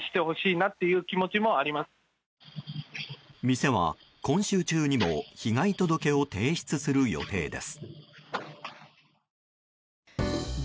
店は今週中にも被害届を提出する予定です。